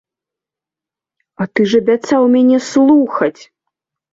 А ты ж абяцаў мяне слухаць.